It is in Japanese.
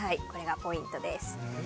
これがポイントです。